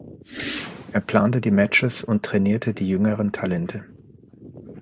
Er plante die Matches und trainierte die jüngeren Talente.